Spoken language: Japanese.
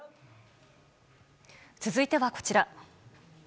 続いてはこちら。